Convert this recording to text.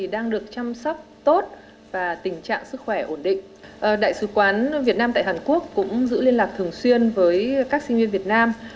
đại sứ quán việt nam tại hàn quốc cũng giữ liên lạc thường xuyên với các sinh viên việt nam